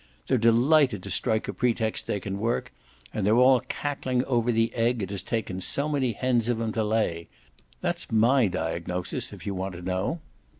They're delighted to strike a pretext they can work, and they're all cackling over the egg it has taken so many hens of 'em to lay. That's MY diagnosis if you want to know."